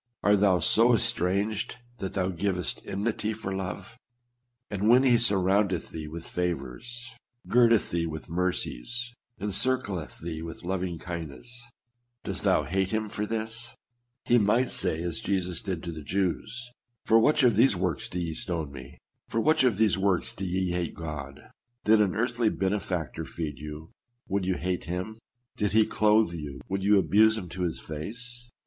Art thou so estranged that thou givest enmity for love ? And when he sur roundeth thee with favors, girdeth thee with mercies, encircleth thee with loving kindness, dost thou hate him for this ? He might say, as Jesus did to the Jews, " For wMch of these works do ye stone me ?" For THE CARNAL MIND ENMITY AGAINST GOD. 247 which of these works do ye hate God ? Did an earthly benefactor feed you, would you hate him ? Did he clothe you, would you abuse him to his face